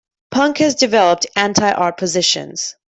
Punk has developed anti-art positions.